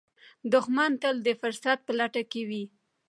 دښمن تل د فرصت په لټه کې وي